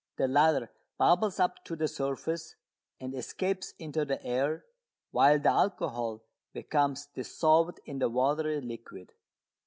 The latter bubbles up to the surface, and escapes into the air, while the alcohol becomes dissolved in the watery liquid.